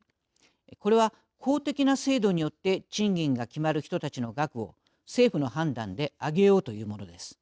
これは、公的な制度によって賃金が決まる人たちの額を政府の判断で上げようというものです。